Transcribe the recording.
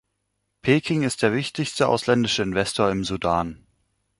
Peking ist der wichtigste ausländische Investor im Sudan.